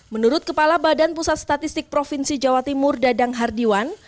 menurut kepala badan pusat statistik provinsi jawa timur dadang hardiwan